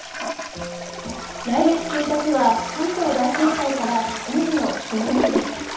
来月１日は関東大震災から１００年の節目の日です。